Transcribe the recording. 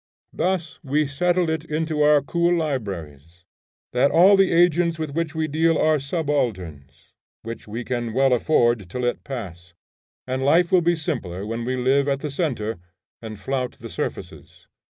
Thus we settle it in our cool libraries, that all the agents with which we deal are subalterns, which we can well afford to let pass, and life will be simpler when we live at the centre and flout the surfaces.